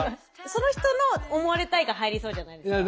その人の思われたいが入りそうじゃないですか。